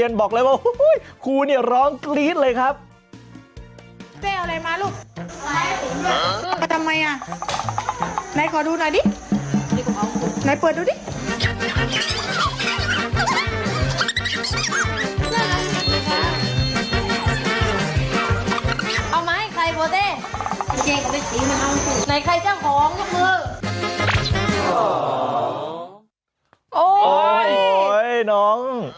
เอามาให้ใครโป้เต้ไหนใครเจ้าหองลูกมือโอ้ยโอ้ยน้อง